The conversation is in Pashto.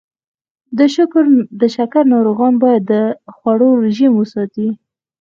د شکر ناروغان باید د خوړو رژیم وساتي.